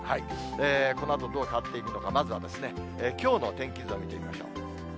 このあとどう変わっていくのか、まずはきょうの天気図を見ていきましょう。